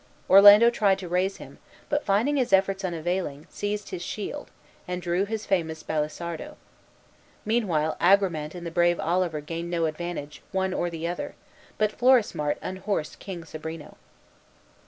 Orlando tried to raise him, but, finding his efforts unavailing, seized his shield, and drew his famous Balisardo. Meanwhile Agramant and the brave Oliver gained no advantage, one or the other; but Florismart unhorsed the King Sobrino.